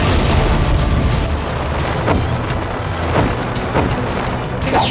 sekarang rasakan tenaga dalamku